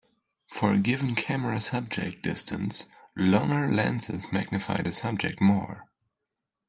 For a given camera-subject distance, longer lenses magnify the subject more.